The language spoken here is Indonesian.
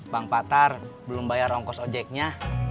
bank patar belum bayar ongkos ojeknya